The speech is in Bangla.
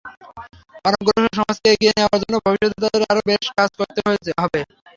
অনগ্রসর সমাজকে এগিয়ে নেওয়ার জন্য ভবিষ্যতে তাদের আরও বেশি কাজ করতে হবে।